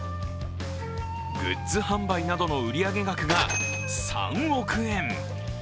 グッズ販売などの売上額が３億円。